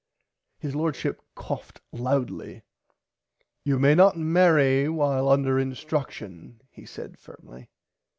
His Lordship coughed loudly. You may not marry while under instruction he said firmly.